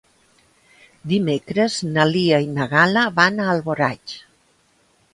Dimecres na Lia i na Gal·la van a Alboraig.